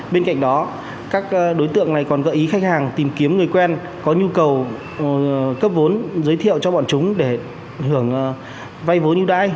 bên cạnh đó các đối tượng này còn gợi ý khách hàng tìm kiếm người quen có nhu cầu cấp vốn giới thiệu cho bọn chúng để hưởng vay vốn ưu đãi